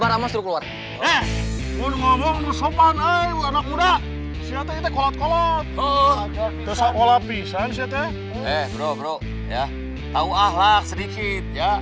woy pasukan aw dia aja